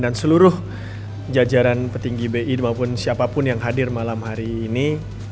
dan seluruh jajaran petinggi bi maupun siapapun yang hadir malam hari ini